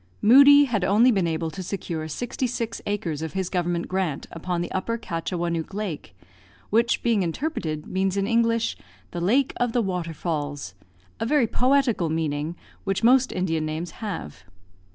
Moodie had only been able to secure sixty six acres of his government grant upon the Upper Katchawanook Lake, which, being interpreted, means in English, the "Lake of the Waterfalls," a very poetical meaning, which most Indian names have.